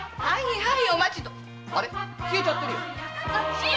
はい。